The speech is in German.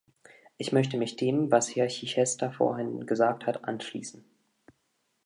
Ich möchte mich dem, was Herr Chichester vorhin gesagt hat, anschließen.